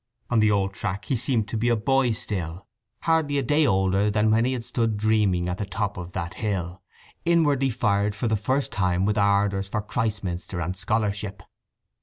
On the old track he seemed to be a boy still, hardly a day older than when he had stood dreaming at the top of that hill, inwardly fired for the first time with ardours for Christminster and scholarship.